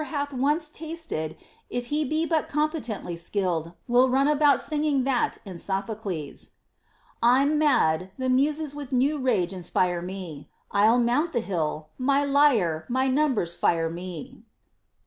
173 hath once tasted, if he be but competently skilled, will run about singing that in Sophocles, I'm mad ; tlie Mu^es with new rage inspire me. I'll mount the hill ; my lyre, my numbers fire me.